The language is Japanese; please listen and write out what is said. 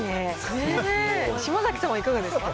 島崎さんはいかがですか？